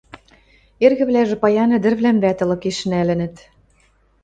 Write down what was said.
Эргӹвлӓжӹ паян ӹдӹрвлӓм вӓтӹлыкеш нӓлӹнӹт.